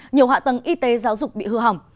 nhiều hạ tầng y tế giáo dục bị hư hỏng